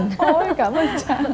ôi cảm ơn trang